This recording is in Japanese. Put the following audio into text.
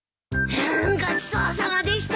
ごちそうさまでした。